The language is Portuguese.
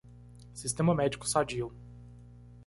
Sistema médico sadio